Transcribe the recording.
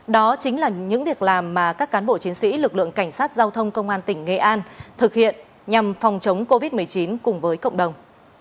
đó chính là những việc làm mà các cán bộ chiến sĩ lực lượng cảnh sát giao thông công an tỉnh nghệ an thực hiện nhằm phòng chống covid một mươi chín cùng với cộng đồng